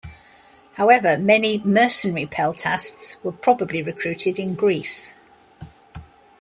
However, many mercenary peltasts were probably recruited in Greece.